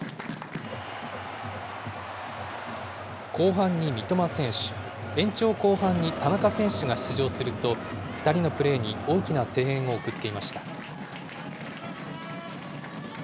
後半に三笘選手、延長後半に田中選手が出場すると、２人のプレーに大きな声援を送っていました。